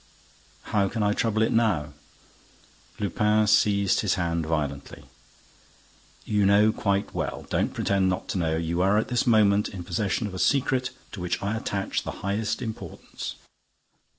"How can I trouble it now?" Lupin seized his hand violently: "You know quite well! Don't pretend not to know. You are at this moment in possession of a secret to which I attach the highest importance.